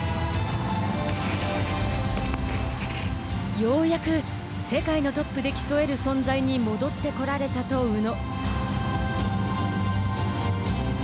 ようやく世界のトップで競える存在に戻ってこられたと宇野。